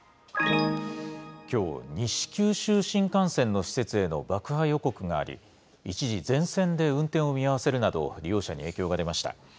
きょう、西九州新幹線の施設への爆破予告があり、一時、全線で運転を見合わせるなど、利用者に影響が出ました。